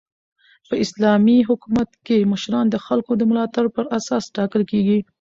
په اسلامي حکومت کښي مشران د خلکو د ملاتړ پر اساس ټاکل کیږي.